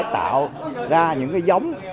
tạo ra những giống